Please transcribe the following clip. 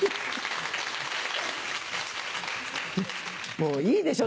もういいでしょ？